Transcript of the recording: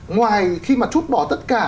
ngoài khi mà trút bỏ tất cả